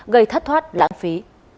gây thất thoát lãng phí